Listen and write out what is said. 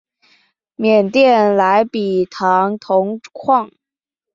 缅甸莱比塘铜矿。